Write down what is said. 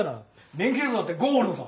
免許証だってゴールドだ！